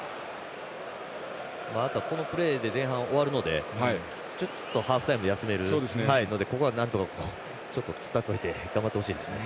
あとは、このプレーで前半終わるのでちょっとハーフタイムで休めるのでここは、なんとか突っ立っといて頑張ってほしいですね。